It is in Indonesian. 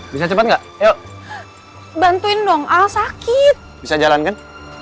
bisa cepat nggak yuk bantuin dong al sakit bisa jalankan